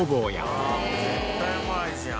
これ絶対うまいじゃん。